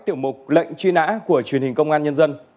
tiểu mục lệnh truy nã của truyền hình công an nhân dân